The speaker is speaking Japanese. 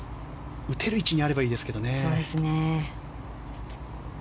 打てる位置にあればいいですけどね。